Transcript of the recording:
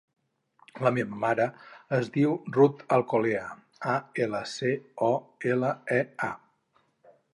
La meva mare es diu Ruth Alcolea: a, ela, ce, o, ela, e, a.